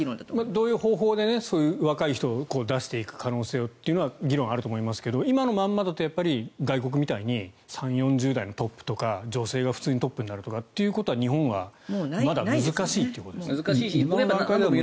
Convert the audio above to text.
どういう方法で若い人を出していく可能性という議論はありますが今のままだと外国みたいに３０代、４０代のトップとか女性がトップになることは日本はまだ難しいということですね。